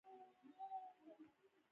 زه بخښنه غواړم